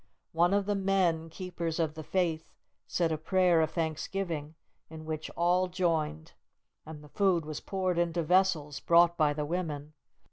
One of the men "Keepers of the Faith," said a prayer of thanksgiving, in which all joined, and the food was poured into vessels brought by the women.